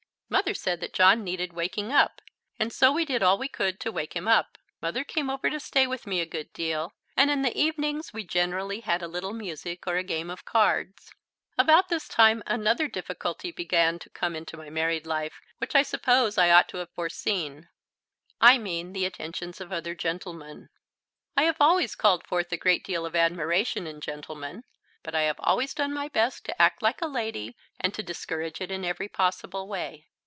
Mother said that John needed waking up, and so we did all we could to wake him up. Mother came over to stay with me a good deal, and in the evenings we generally had a little music or a game of cards. About this time another difficulty began to come into my married life, which I suppose I ought to have foreseen I mean the attentions of other gentlemen. I have always called forth a great deal of admiration in gentlemen, but I have always done my best to act like a lady and to discourage it in every possible way.